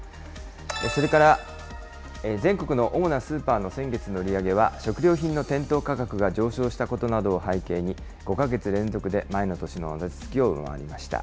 それから、全国の主なスーパーの先月の売り上げは、食料品の店頭価格が上昇したことなどを背景に、５か月連続で前の年の同じ月を上回りました。